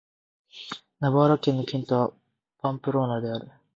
ナバーラ県の県都はパンプローナである